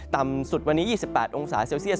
ต่ำสุดวันนี้๒๘องศาเซลเซียส